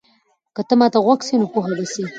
که ته ما ته غوږ سې نو پوه به سې.